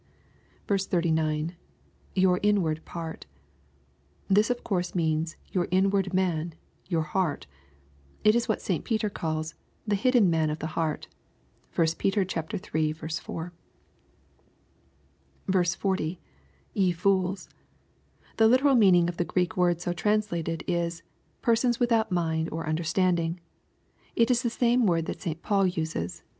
39. —[ Your inward part] This of course means your inward man — ^your heart." It is what St. Peter calls " the hidden man of the heart." (1 Pet. iii. 4.) iO. —[ Ye fools.] The literal meaning of the Greek word so trans lated is, "persons without mind t>r understanding." It is the same word that St. Paul uses.